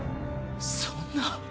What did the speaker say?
そんな！